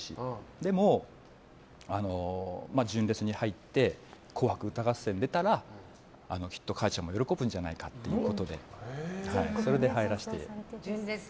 でも、純烈に入って「紅白歌合戦」に出たらきっと母ちゃんも喜ぶんじゃないかということでそれで入らせていただきました。